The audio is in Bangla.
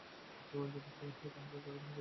যদি তাই হয়, তাহলে এ গাছগুলি কি?